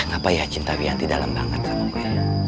gapaya cinta wianti dalam banget sama gue